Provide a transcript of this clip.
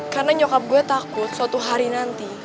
karena nyokap gue takut suatu hari nanti